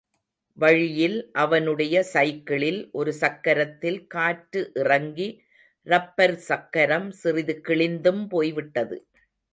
வழியில் அவனுடைய சைக்கிளில் ஒரு சக்கரத்தில் காற்று இறங்கி ரப்பர் சக்கரம் சிறிது கிழிந்தும் போய்விட்டது.